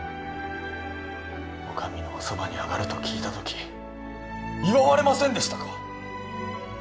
お上のおそばにあがると聞いたとき祝われませんでしたか？